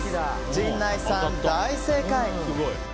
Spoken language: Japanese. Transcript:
陣内さん、大正解！